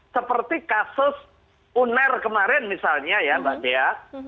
seperti kasus uner kemarin misalnya ya mbak dea